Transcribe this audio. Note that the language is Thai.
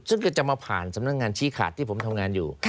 ซึ่งก็จะมาผ่านสำนักงานชี้ขาดที่ผมทำงานอยู่